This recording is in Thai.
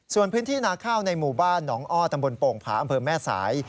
ส่วนพื้นที่นาข้าวในหมู่บ้านหนองอ้อตำบลโป่งผาอำเภอแม่สาย